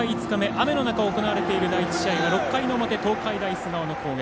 雨の中行われている第１試合６回の表、東海大菅生の攻撃。